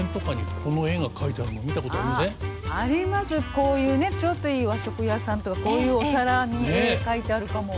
こういうねちょっといい和食屋さんとかこういうお皿に絵描いてあるかも。